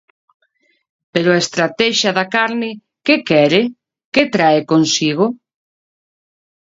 Pero a estratexia da carne ¿que quere?, ¿que trae consigo?